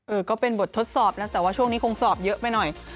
ก็เป็นบททดสอบแล้วแต่ว่าช่วงนี้คงสอบเยอะไปหน่อย